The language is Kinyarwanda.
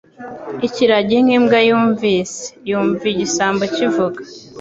Ikiragi nk'imbwa yumvise, yumva igisambo kivuga -